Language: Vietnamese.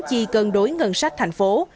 chi cân đối ngân sách thành phố